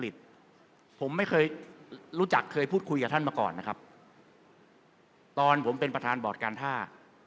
ผมไม่เคยรู้จักเคยพูดคุยกับท่านมาก่อนนะครับตอนผมเป็นประธานบอร์ดการท่า